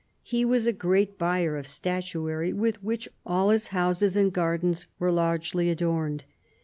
He was a great buyer of statuary, with which all his houses and gardens were largely adorned.